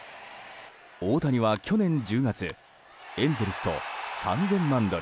大谷は去年１０月エンゼルスと３０００万ドル